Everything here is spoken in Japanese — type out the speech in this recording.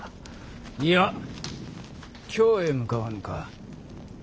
いや京へ向かわぬか。